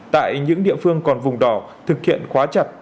tại những địa phương còn vùng đỏ thực hiện khóa chặt